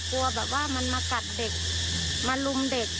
กลัวแบบว่ามันมากัดเด็กมาลุมเด็ก